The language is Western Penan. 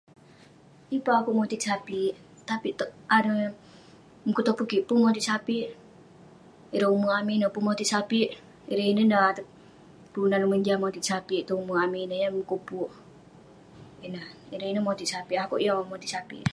Yeng pun akouk motit sapik, tapi ta- erei mukun topun kik pun motit sapik. Ireh ume' amik ineh pun motit sapik, ireh inen neh ateg kelunan mojam motit sapik tong ume' amik ineh, yah mukun puk ineh. Ireh ineh motit sapik, akouk yeng akouk motit sapik.